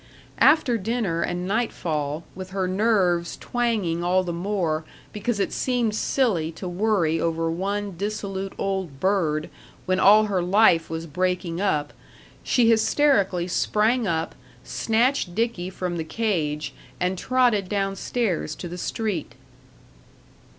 After dinner and nightfall, with her nerves twanging all the more because it seemed silly to worry over one dissolute old bird when all her life was breaking up, she hysterically sprang up, snatched Dickie from the cage, and trotted down stairs to the street.